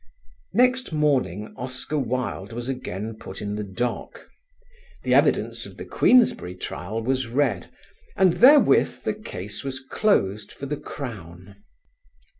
Next morning Oscar Wilde was again put in the dock. The evidence of the Queensberry trial was read and therewith the case was closed for the Crown.